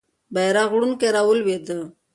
بیرغ وړونکی رالوېده.